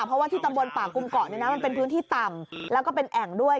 เพราะว่าที่ตำบลป่ากุมเกาะเนี่ยนะมันเป็นพื้นที่ต่ำแล้วก็เป็นแอ่งด้วย